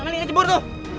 nih baliknya kecebur tuh